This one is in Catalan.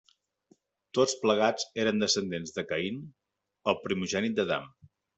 Tots plegats eren descendents de Caín, el primogènit d'Adam.